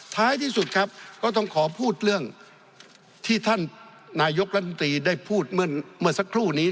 ท้ายที่สุดครับก็ต้องขอพูดเรื่องที่ท่านนายกรัฐมนตรีได้พูดเมื่อสักครู่นี้